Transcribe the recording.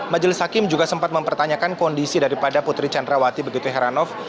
majelis hakim juga sempat mempertanyakan kondisi daripada putri cendrawati begituheranov